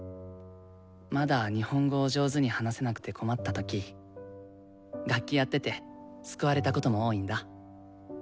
まだ日本語を上手に話せなくて困った時楽器やってて救われたことも多いんだ。